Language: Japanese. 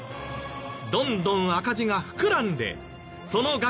どんどん赤字が膨らんでその額